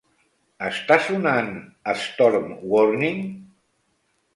Està sonant "Storm Warning"?